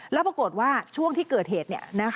แล้วปรากฏว่าช่วงที่เกิดเหตุ